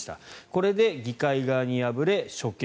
これで議会側に敗れ、処刑。